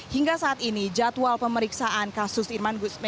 hingga saat ini jadwal pemeriksaan kasus yerman gusman